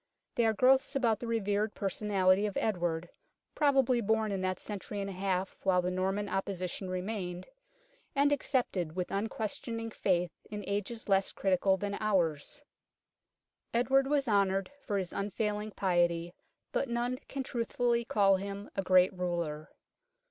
They are growths about the revered personality of Edward, probably born in that century and a half while the Norman oppression remained, and accepted with unquestioning faith in ages less critical than ours. 42 UNKNOWN LONDON Edward was honoured for his unfailing piety, but none can truthfully call him a great ruler.